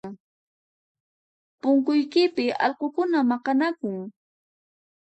Punkuypi allqukuna maqanakun